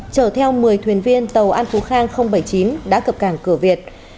chở theo một mươi thuyền viên tàu an phú khang bảy mươi chín đã cập cảng cửa việt